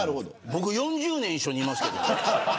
僕４０年一緒にいますけどね。